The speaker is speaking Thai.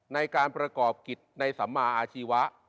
ในการประกอบกิจในสัมมาอาชีวะ